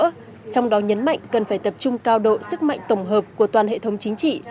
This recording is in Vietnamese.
trong đó nhấn mạnh cần phải tập trung cao độ sức mạnh tổng hợp của toàn hệ thống chính trị